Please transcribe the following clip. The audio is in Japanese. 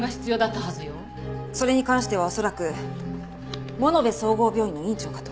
それに関しては恐らく物部総合病院の院長かと。